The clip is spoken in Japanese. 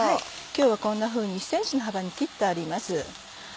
今日はこんなふうに１ｃｍの幅に切ってあります。